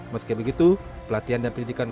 meski begitu pelatihan dan pendidikan